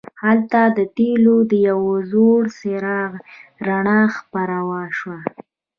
هلته د تیلو د یو زوړ څراغ رڼا خپره وه.